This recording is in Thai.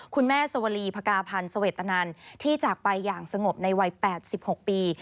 คุณแม่สวลีพกาพันธ์สวัสดิ์ตะนันที่จากไปอย่างสงบในวัย๘๖ปี